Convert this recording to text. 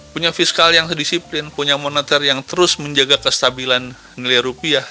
punya fiskal yang disiplin punya moneter yang terus menjaga kestabilan nilai rupiah